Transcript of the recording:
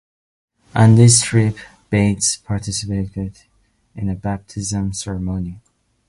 On this trip, Bates participated in a baptism ceremony.